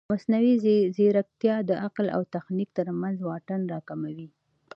مصنوعي ځیرکتیا د عقل او تخنیک ترمنځ واټن راکموي.